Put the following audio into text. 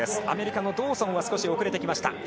アメリカのドーソンが少し遅れてきました。